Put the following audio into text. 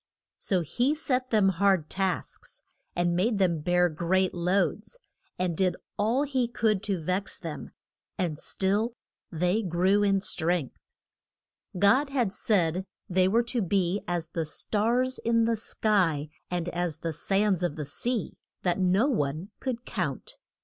So he set them hard tasks, and made them bear great loads, and did all he could to vex them, and still they grew in strength. God had said they were to be as the stars in the sky, and as the sands of the sea, that no one could count.